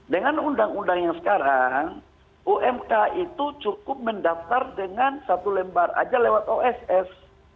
dengan undang undang yang sekarang umk itu cukup mendaftar dengan satu lembar aja lewat oss